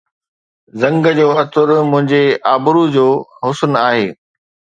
زنگ جو عطر منهنجي ابرو جو حسن آهي